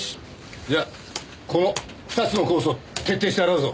じゃあこの２つのコースを徹底して洗うぞ。